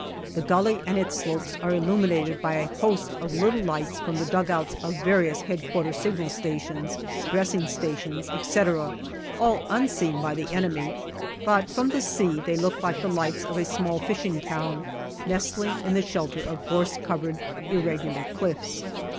The gully and its slopes are illuminated by a host of little lights from the dugouts of various H.O. signal stations, dressing stations, etc., all unseen by the enemy ; but from the sea they look like the lights of a small fishing town nestling in the shelter of gorse covered irregular cliffs.